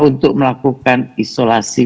untuk melakukan isolasi